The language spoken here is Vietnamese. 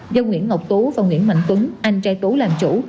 do nguyễn ngọc tú và nguyễn mạnh tuấn anh trai tú làm chủ